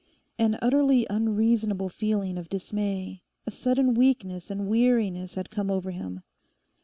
An utterly unreasonable feeling of dismay, a sudden weakness and weariness had come over him.